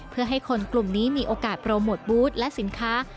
เพื่อให้คนกลุ่มนี้มีโอกาสโปรโมทบูธและสินค้า